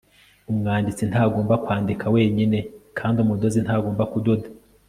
Umwanditsi ntagomba kwandika wenyine kandi umudozi ntagomba kudoda